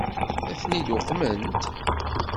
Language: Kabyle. Ad ten-id-uqment?